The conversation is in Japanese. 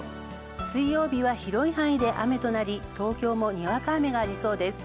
水曜日は広い範囲で雨となり、東京も、にわか雨がありそうです。